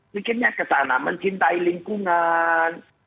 pikirnya kesana mencintai lingkungan